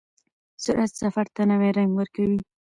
سرعت سفر ته نوی رنګ ورکوي.